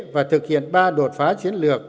và thực hiện ba đột phá chiến lược